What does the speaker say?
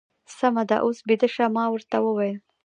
سمه ده، اوس بېده شه. ما ورته وویل.